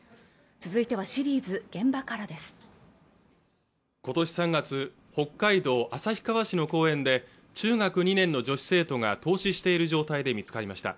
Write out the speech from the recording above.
続いてはシリーズ「現場から」です今年３月北海道旭川市の公園で中学２年の女子生徒が凍死している状態で見つかりました